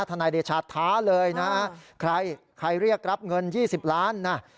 นายเดชาท้าเลยนะใครใครเรียกรับเงิน๒๐ล้านนะ